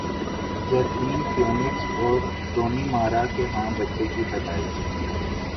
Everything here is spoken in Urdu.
جیکوئن فیونکس اور رونی مارا کے ہاں بچے کی پیدائش